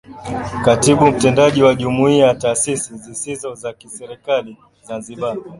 Katibu Mtendaji wa Jumuiya ya Taasisi zisizo za Kiserikali Zanzibar